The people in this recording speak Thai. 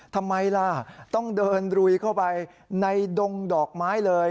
ทำไมล่ะต้องเดินลุยเข้าไปในดงดอกไม้เลย